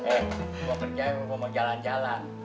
eh mau kerja mau bawa jalan jalan